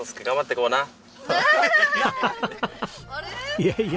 いやいや。